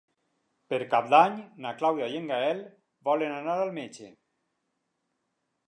Per Cap d'Any na Clàudia i en Gaël volen anar al metge.